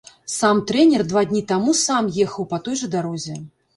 Сам трэнер два дні таму сам ехаў па той жа дарозе.